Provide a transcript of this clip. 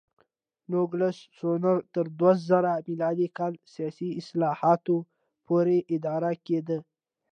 نوګالس سونورا تر دوه زره م کال سیاسي اصلاحاتو پورې اداره کېده.